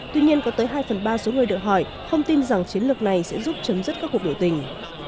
tuy nhiên có tới hai phần ba số người được hỏi không tin rằng chiến lược này sẽ giúp chấm dứt các cuộc biểu tình